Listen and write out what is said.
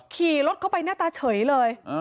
ขี่รถเข้าไปหน้าตาเฉยเลย